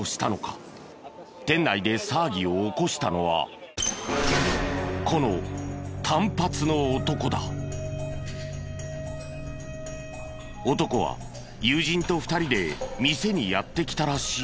店内で騒ぎを起こしたのはこの男は友人と２人で店にやって来たらしい。